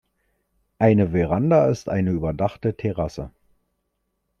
Eine Veranda ist eine überdachte Terrasse.